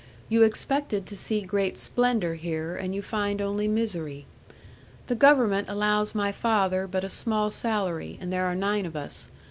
You expected to see great splendour here, and you find only misery. The government allows my father but a small salary, and there are nine of us.